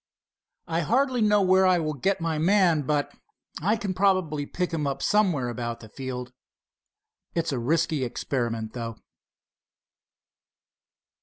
I hardly know where I will get my man, but I can probably pick him up somewhere about the field. It's a risky experiment, though."